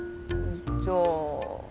じゃあ。